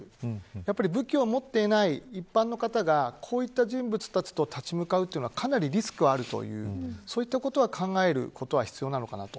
やはり武器を持っていない一般の方がこういった人物たちと立ち向かうのはかなりリスクがあるとそういうことを考えることは必要なのかなと。